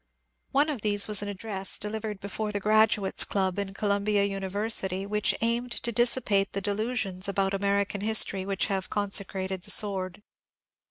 One of these was an address, delivered before the Graduates' Club in Columbia University, which aimed to dissipate the delusions about American history which have consecrated the sword.